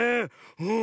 うん。